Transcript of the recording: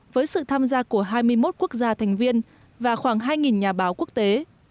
với sự tham gia của hai mươi một quốc gia thành viên và khoảng hai nhà báo quốc tế